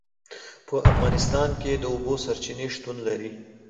په افغانستان کې د اوبو سرچینې شتون لري.